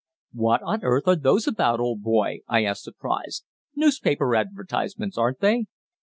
"What on earth are those about, old boy?" I asked, surprised. "Newspaper advertisements, aren't they?"